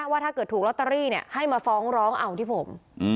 ว่าถ้าเกิดถูกลอตเตอรี่ให้มาฟ้องร้องเอาที่ผม